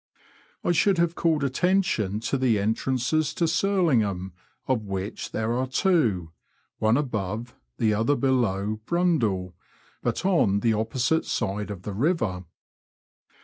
I should have called attention to the entrances to Sur lingham, of which there are two — one above, the other below, Brundall — but on the opposite side of the river.